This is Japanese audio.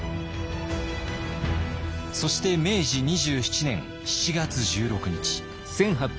そして明治２７年７月１６日。